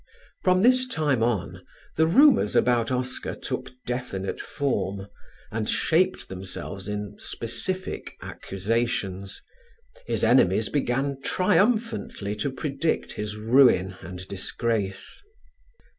From this time on the rumours about Oscar took definite form and shaped themselves in specific accusations: his enemies began triumphantly to predict his ruin and disgrace.